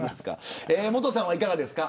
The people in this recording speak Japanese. モトさんはいかがですか。